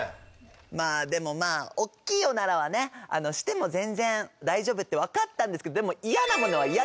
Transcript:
まあでもまあおっきいオナラはねしても全然大丈夫って分かったんですけどでも出た。